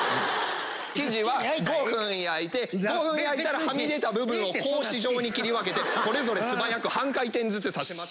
生地は５分焼いて５分焼いたらはみ出た部分を格子状に切り分けてそれぞれ素早く半回転ずつさせます。